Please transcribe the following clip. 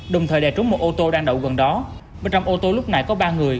đồng thời đè trúng một ô tô đang đậu gần đó bên trong ô tô lúc này có ba người